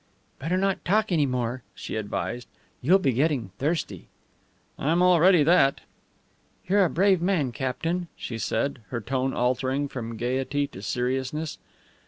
"Better not talk any more," she advised. "You'll be getting thirsty." "I'm already that." "You're a brave man, captain," she said, her tone altering from gayety to seriousness.